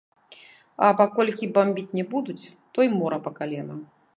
А паколькі бамбіць не будуць, то й мора па калена.